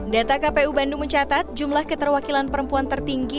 data kpu bandung mencatat jumlah keterwakilan perempuan tertinggi